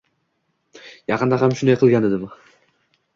Yaqinda ham shunday qilgan edim